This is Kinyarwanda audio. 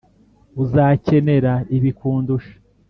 uzakenera ibi kundusha.